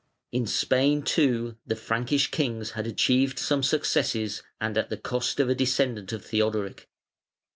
In Spain too the Frankish kings had achieved some successes, and at the cost of a descendant of Theodoric.